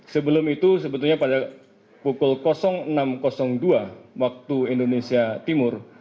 sebelum itu sebetulnya pada pukul enam dua waktu indonesia timur